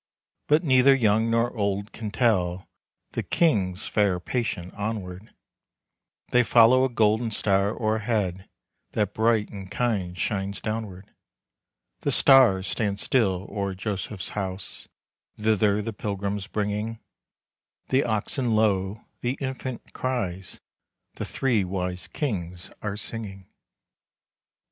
But neither young nor old can tell. The kings fare patient onward, They follow a golden star o'erhead, That bright and kind shines downward. The star stands still o'er Joseph's house, Thither the pilgrims bringing; The oxen low, the Infant cries, The three wise kings are singing.